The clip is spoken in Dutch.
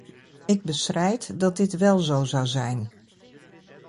Ik bestrijd dat dit wel zo zou zijn.